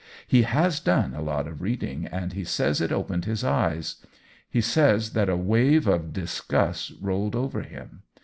He has done a lot of reading, and he says it opened his eyes. He says that a wave of OWEN WINGRAVE 173 disgust rolled over him.